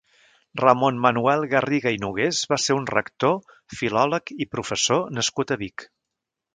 Ramon Manuel Garriga i Nogués va ser un rector, filòleg i professor nascut a Vic.